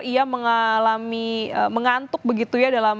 ia mengalami mengantuk begitu ya